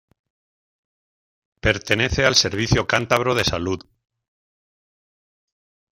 Pertenece al Servicio Cántabro de Salud.